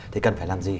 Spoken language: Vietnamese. thì cần phải làm gì